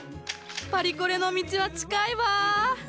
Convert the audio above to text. パリコレの道は近いわ！